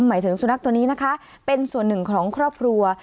หมายถึงสุนัขตัวนี้นะคะเป็นส่วนหนึ่งของครอบครัว